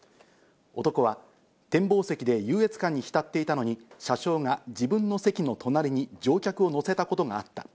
男は展望席で優越感にひたっていたのに車掌が自分の席の隣に乗客を乗せたことがあった。